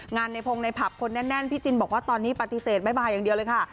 ในพงในผับคนแน่นพี่จินบอกว่าตอนนี้ปฏิเสธไม่มาอย่างเดียวเลยค่ะ